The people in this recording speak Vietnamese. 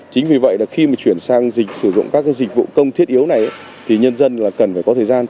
chính vì vậy là khi mà chuyển sang sử dụng các dịch vụ công thiết yếu này thì nhân dân là cần phải có thời gian